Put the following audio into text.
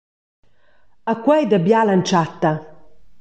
E quei da bial’entschatta.